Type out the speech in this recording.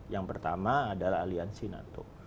yang pertama adalah aliansi nato